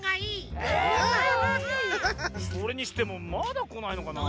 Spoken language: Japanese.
それにしてもまだこないのかなぁ。